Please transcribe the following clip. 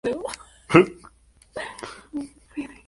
Fue un visionario del potencial turístico de Granada y de Sierra Nevada.